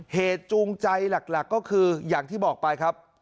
เหตุจูงใจหลักก็คืออย่างที่บอกไปครับ